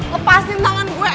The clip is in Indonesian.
lepasin tangan gua